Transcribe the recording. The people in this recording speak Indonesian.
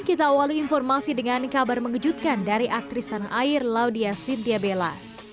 kita awali informasi dengan kabar mengejutkan dari aktris tanah air laudia sintiabela